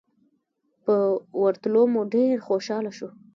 په ورتلو مو ډېر خوشاله شو.